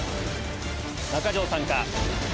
中条さんか？